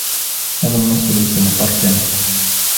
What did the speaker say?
هذا النص ليس مترجما.